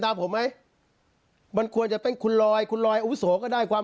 ผมไหมมันควรจะเป็นคุณลอยคุณลอยอาวุโสก็ได้ความ